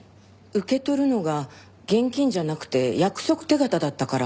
受け取るのが現金じゃなくて約束手形だったから。